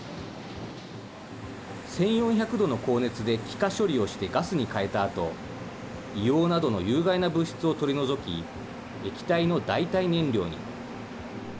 １４００度の高熱で気化処理をしてガスに変えたあと、硫黄などの有害な物質を取り除き、液体の代替燃料に。